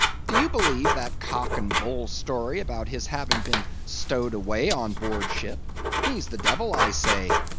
Do you believe that cock and bull story about his having been stowed away on board ship? He's the devil, I say.